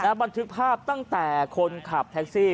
แล้วมันถือภาพตั้งแต่คนขับแท็กซี่